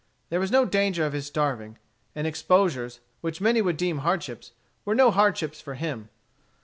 There was no danger of his starving; and exposures, which many would deem hardships, were no hardships for him.